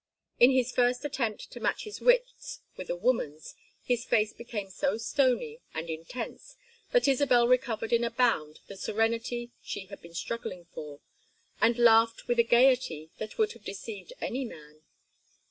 In his first attempt to match his wits with a woman's his face became so stony and intense that Isabel recovered in a bound the serenity she had been struggling for, and laughed with a gayety that would have deceived any man.